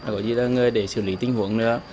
có gì là người để xử lý tình huống nữa